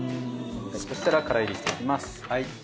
そしたら乾煎りしていきます。